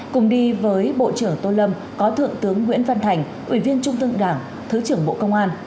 cùng đi với bộ trưởng tô lâm có thượng tướng nguyễn văn thành ủy viên trung ương đảng thứ trưởng bộ công an